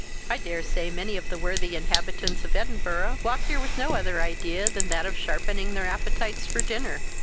I daresay many of the worthy inhabitants of Edinburgh walk here with no other idea than that of sharpening their appetites for dinner."